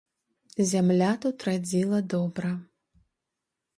Зямля тут радзіла добра.